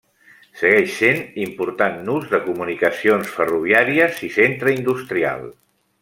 Segueix sent important nus de comunicacions ferroviàries i centre industrial.